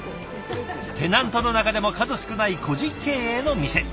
テナントの中でも数少ない個人経営の店。